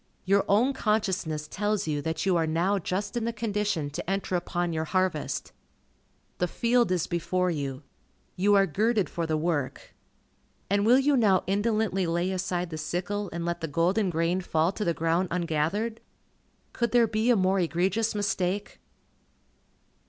Your own consciousness tells you that you are now just in the condition to enter upon your harvest. The field is before you. You are girded for the work. And will you now indolently lay aside the sickle, and let the golden grain fall to the ground ungathered? Could there be a more egregious mistake?